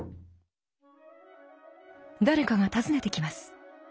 誰かが訪ねてきます。